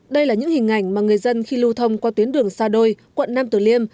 đây là những hình ảnh mà người dân khi lưu thông qua tuyến đường sa đôi quận nam tử liêm